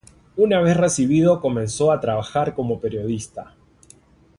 Una vez recibido, comenzó a trabajar como periodista.